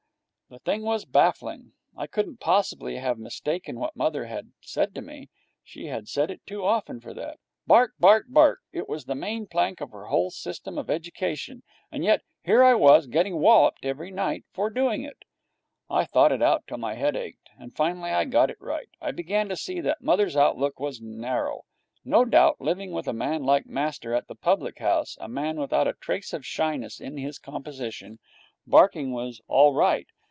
The thing was baffling. I couldn't possibly have mistaken what mother had said to me. She said it too often for that. Bark! Bark! Bark! It was the main plank of her whole system of education. And yet, here I was, getting walloped every night for doing it. I thought it out till my head ached, and finally I got it right. I began to see that mother's outlook was narrow. No doubt, living with a man like master at the public house, a man without a trace of shyness in his composition, barking was all right.